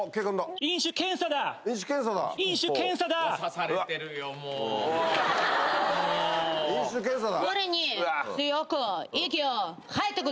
飲酒検査だ。